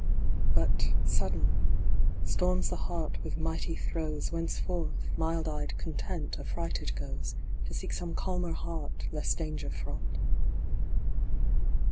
But, sudden, storms the heart with mighty throes Whenceforth, mild eyed Content affrighted goes, To seek some calmer heart, less danger fraught.